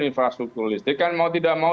infrastruktur listrik kan mau tidak mau